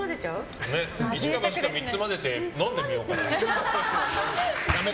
３つ混ぜて飲んでみようかな。